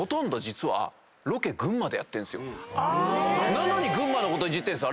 なのに群馬のこといじってんす。